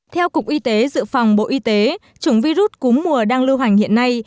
theo cục y tế dự phòng bộ y tế chủng virus cúm mùa đang lưu hành hiện nay